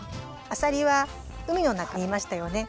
あさりはうみのなかにいましたよね。